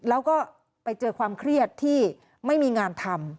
แล้วก็ไปเจอความเครียดที่ไม่มีงานทำ